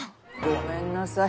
ごめんなさい